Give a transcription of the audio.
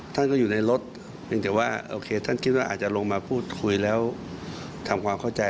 ท่านก็ปกติพิพัฒน์ท่านก็คิดว่าจะลงมาทำความเข้าใจ